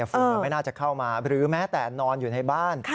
ฝุ่นมันไม่น่าจะเข้ามาหรือแม้แต่นอนอยู่ในบ้าน